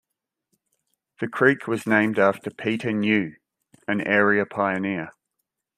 The creek was named after Peter New, an area pioneer.